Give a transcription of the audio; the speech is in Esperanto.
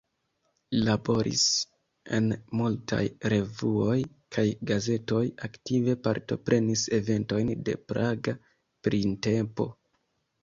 Li laboris en multaj revuoj kaj gazetoj, aktive partoprenis eventojn de Praga Printempo.